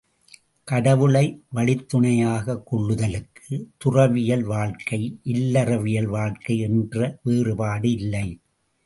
கடவுளை வழித்துணையாகக் கொள்ளுதலுக்கு, துறவியல் வாழ்க்கை இல்லறவியல் வாழ்க்கை என்ற வேறுபாடு இல்லை.